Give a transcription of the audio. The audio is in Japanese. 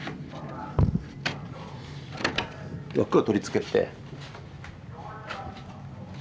枠を取り付けて。